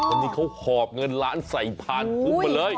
อันนี้เขาหอบเงินล้านใส่พันธุ์อุ๊บไปเลย